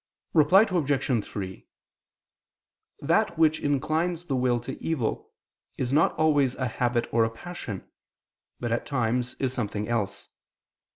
Reply Obj. 3: That which inclines the will to evil, is not always a habit or a passion, but at times is something else.